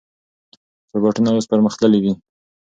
روباټونه اوس پرمختللي دي.